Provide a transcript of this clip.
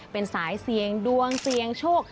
เป็นสายเสี่ยงดวงเสี่ยงโชค